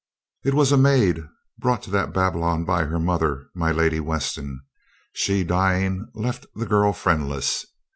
It was a maid brought to that Babylon by her mother, my Lady Weston. She dying, left the girl friendless.